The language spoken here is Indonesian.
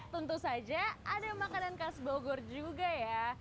tentu saja ada makanan khas bogor juga ya